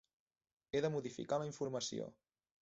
He de modificar la informació.